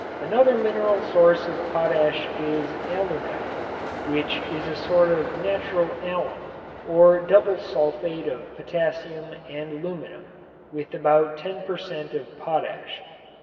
Another mineral source of potash is alunite, which is a sort of natural alum, or double sulfate of potassium and aluminum, with about ten per cent. of potash.